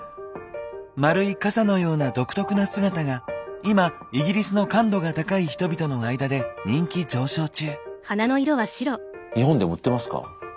丸い傘のような独特な姿が今イギリスの感度が高い人々の間で人気上昇中。